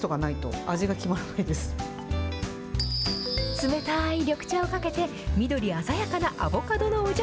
冷たい緑茶をかけて、緑鮮やかなアボカドのお茶